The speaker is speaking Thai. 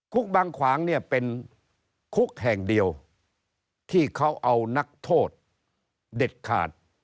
บางขวางเนี่ยเป็นคุกแห่งเดียวที่เขาเอานักโทษเด็ดขาด